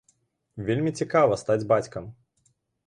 Вельмі цікава стаць бацькам.